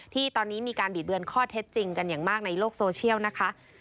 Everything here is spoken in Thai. ที่ตอนนี้มีการบิดเบือนข้อเท็จจริงกันอย่างมากในโลกโซเชียลนะคะ